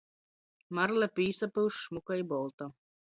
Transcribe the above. Marle pīsapyuš šmuka i bolta.